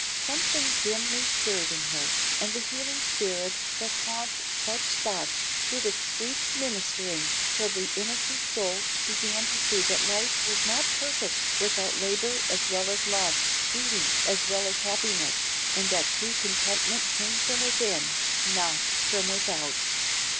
Something dimly stirred in her, and the healing spirit that haunts such spots did its sweet ministering till the innocent soul began to see that life was not perfect without labor as well as love, duty as well as happiness, and that true contentment came from within, not from without.